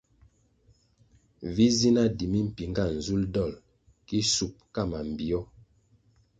Vi zi na di mimpinga nzulʼ dolʼ ki shup ka mambpio.